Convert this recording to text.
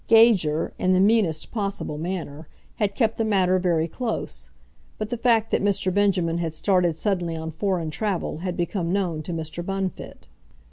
Gager, in the meanest possible manner, had kept the matter very close; but the fact that Mr. Benjamin had started suddenly on foreign travel had become known to Mr. Bunfit.